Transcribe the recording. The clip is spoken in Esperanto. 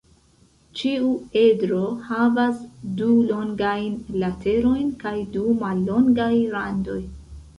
Ĉiu edro havas du longajn laterojn kaj du mallongaj randoj.